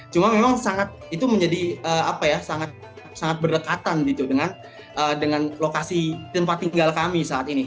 cuma memang sangat itu menjadi apa ya sangat berdekatan gitu dengan lokasi tempat tinggal kami saat ini